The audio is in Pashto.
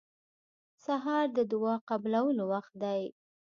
سهار د دعا قبولو وخت دی.